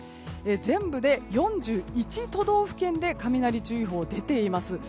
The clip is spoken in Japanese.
全部で４１都道府県で雷注意報が出ています。